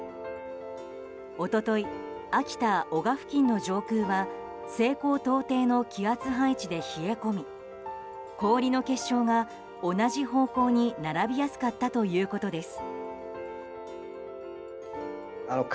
一昨日、秋田・男鹿付近の上空は西高東低の気圧配置で冷え込み氷の結晶が同じ方向に並びやすかったということです。